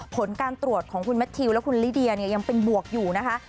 ผลการตรวจของคุณแมททิวและคุณลิเดียเนี่ยยังเป็นบวกอยู่นะคะ